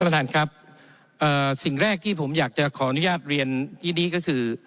ท่านครับเอ่อสิ่งแรกที่ผมอยากจะขออนุญาตเรียนที่นี้ก็คือ